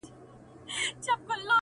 جنگ په وسله، ننگ په غله.